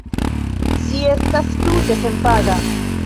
Ĝi estas tute senpaga.